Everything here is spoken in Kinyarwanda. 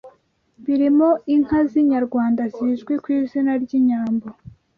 birimo inka z’inyarwanda zizwi ku izina ry’“Inyambo”